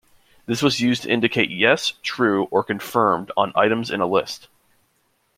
This was used to indicate yes, true, or confirmed on items in a list.